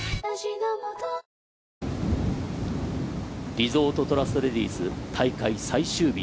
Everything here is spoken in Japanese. リゾートトラストレディス大会最終日。